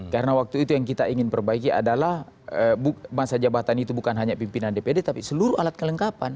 karena waktu itu yang kita ingin perbaiki adalah masa jabatan itu bukan hanya pimpinan dpd tapi seluruh alat kelengkapan